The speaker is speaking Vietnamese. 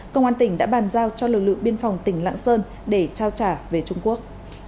công an tỉnh đã bàn giao cho lực lượng biên phòng tỉnh lạng sơn để trao trả về trung quốc